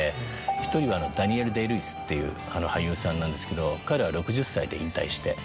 １人はダニエル・デイ＝ルイスっていう俳優さんなんですけど彼は６０歳で引退して。